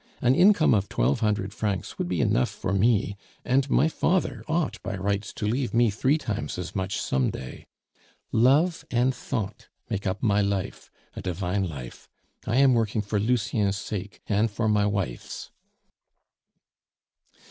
An income of twelve hundred francs would be enough for me, and my father ought by rights to leave me three times as much some day. Love and thought make up my life a divine life. I am working for Lucien's sake and for my wife's."